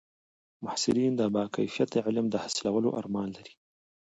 محصلین د با کیفیته علم حاصلولو ارمان لري.